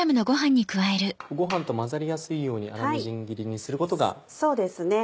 ご飯と混ざりやすいように粗みじん切りにすることがポイントですね。